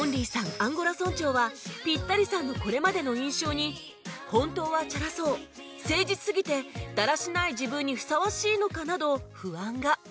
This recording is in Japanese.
アンゴラ村長はピッタリさんのこれまでの印象に本当はチャラそう誠実すぎてだらしない自分にふさわしいのかなど不安が